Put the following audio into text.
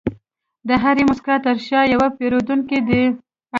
د هرې موسکا تر شا یو پیرودونکی دی.